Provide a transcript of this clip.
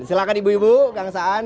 silahkan ibu ibu kang saan